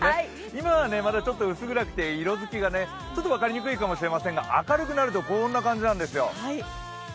今はまだ薄暗くて色づきがちょっと分かりにくいかもしれませんが明るくなると、こんな感じなんですよ。